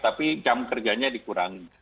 tapi jam kerjanya dikurangi